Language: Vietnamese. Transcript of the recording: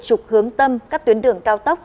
trục hướng tâm các tuyến đường cao tốc